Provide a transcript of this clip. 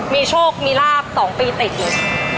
มีโชคมีลาบ๒ปีติดเลย